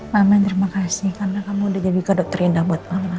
mama yang terima kasih karena kamu udah jadi kodok terindah buat mama